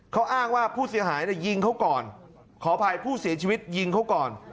เขาอ้างว่าผู้เสียหายยิงเขาก่อนขออภัยผู้เสียชีวิตยิงเขาก่อน